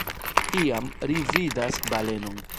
Iam, ri vidas balenon.